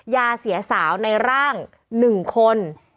ยาเสียสาวในร่าง๑คน